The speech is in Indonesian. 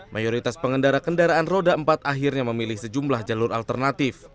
mayoritas pengendara kendaraan roda empat akhirnya memilih sejumlah jalur alternatif